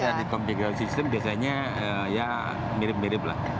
tapi dari kompilasi sistem biasanya ya mirip mirip lah